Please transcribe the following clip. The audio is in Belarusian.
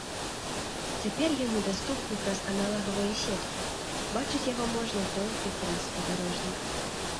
Цяпер ён недаступны праз аналагавыя сеткі, бачыць яго можна толькі праз спадарожнік.